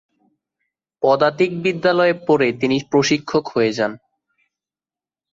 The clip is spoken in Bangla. পদাতিক বিদ্যালয়ে পরে তিনি প্রশিক্ষক হয়ে যান।